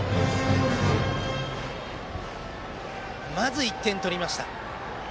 まず１点取りました。